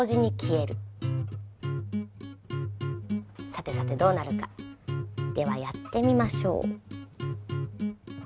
さてさてどうなるか？ではやってみましょう。